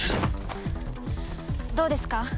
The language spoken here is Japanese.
どうですか？